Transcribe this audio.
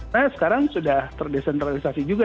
nah sekarang sudah terdesentralisasi juga